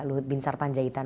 luhut bin sarpanjaitan